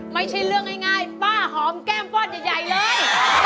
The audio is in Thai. ไม่ทินเรื่องไอ่ง่ายป้าหอมแก้มป้อนใหญ่เลย